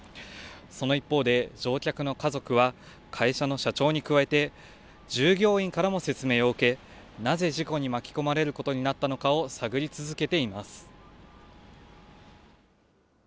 その一方で、乗客の家族は、会社の社長に加えて、従業員からも説明を受け、なぜ事故に巻き込まれることになったのかを探り続けています。